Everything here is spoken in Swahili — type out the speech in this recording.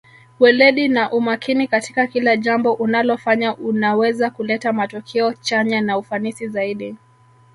weledi na umakini katika kila jambo unalofanya unaweza kuleta matokeo chanya na ufanisi zaidi